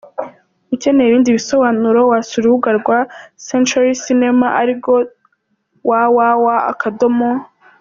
Ukeneye ibindi bisobanuro wasura urubuga rwa Cntury Cinema arirwo www.